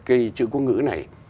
cái chữ quốc ngữ này